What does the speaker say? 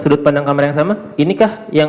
sudut pandang kamar yang sama inikah yang